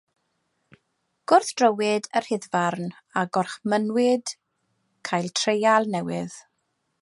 Gwrthdrowyd y rhyddfarn a gorchmynwyd cael treial newydd.